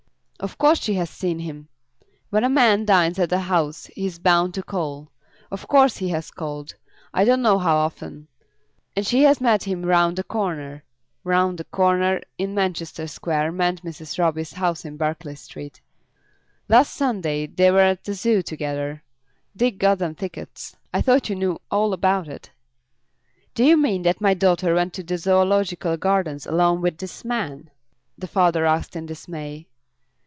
"Of course she has seen him. When a man dines at a house he is bound to call. Of course he has called, I don't know how often. And she has met him round the corner." "Round the corner," in Manchester Square, meant Mrs. Roby's house in Berkeley Street. "Last Sunday they were at the Zoo together. Dick got them tickets. I thought you knew all about it." "Do you mean that my daughter went to the Zoological Gardens alone with this man?" the father asked in dismay.